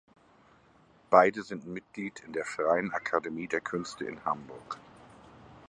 Beide sind Mitglied in der Freien Akademie der Künste in Hamburg.